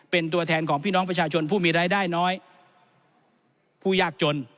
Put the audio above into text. เป็นตัวแทนของพี่น้องประชาชนผู้มีรายได้น้อยผู้ยากจน